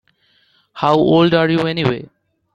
How old are you anyway?